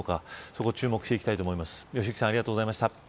そこに注目していきたいと思います。